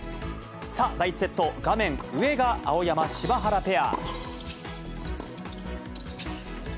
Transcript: さあ、第１セット、画面上が青山・柴原ペア。